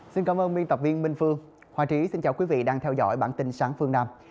xin cảm ơn biên tập viên minh phương hòa trí xin chào quý vị đang theo dõi bản tin sáng phương nam